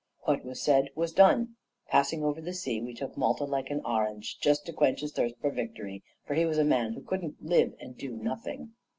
What was said was done. Passing over the sea, we took Malta like an orange, just to quench his thirst for victory; for he was a man who couldn't live and do nothing.